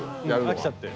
飽きちゃって。